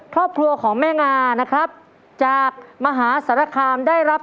พร้อมแล้วผมจะเลือกเฉลยข้อแรกจากเรื่องจังหวัดมหาสารคามครับ